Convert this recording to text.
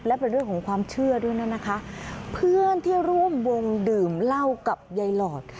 และเป็นเรื่องของความเชื่อด้วยนะคะเพื่อนที่ร่วมวงดื่มเหล้ากับยายหลอด